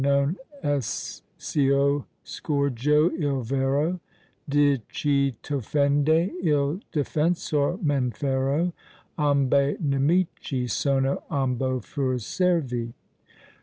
non è s' io scorgo il vero, Di chi t' offende il defensor men fero: Ambe nemici sono, ambo fur servi.